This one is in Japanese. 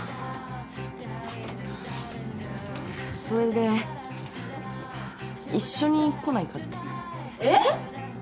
それで一緒に来ないかって。